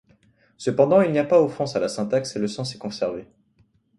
Cependant, il n'y a pas offense à la syntaxe et le sens est conservé.